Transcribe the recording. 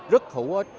rất hữu ích